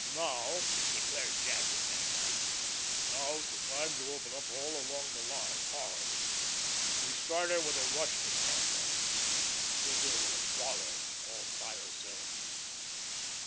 "Now," declared Jadwin that night, "now's the time to open up all along the line hard. If we start her with a rush to morrow morning, she'll go to a dollar all by herself."